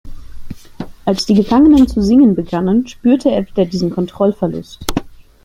Als die Gefangenen zu singen begannen, spürte er wieder diesen Kontrollverlust.